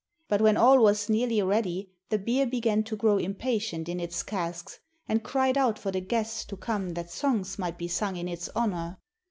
But when all was nearly ready the beer began to grow impatient in its casks, and cried out for the guests to come that songs might be sung in its honour.